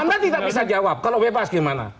anda tidak bisa jawab kalau bebas gimana